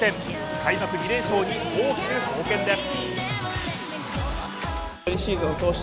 開幕２連勝に大きく貢献です。